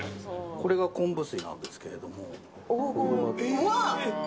これが昆布水なんですけれどうわっ。